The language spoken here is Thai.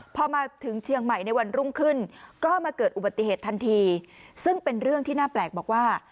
พอมาถึงเชียงใหม่ในวันรุ่งขึ้นก็มาเกิดอุบัติเหตุทันทีซึ่งเป็นเรื่องที่น่าแปลกบอกว่า